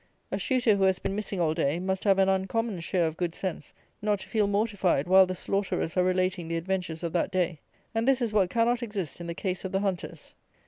A shooter who has been missing all day, must have an uncommon share of good sense, not to feel mortified while the slaughterers are relating the adventures of that day; and this is what cannot exist in the case of the hunters.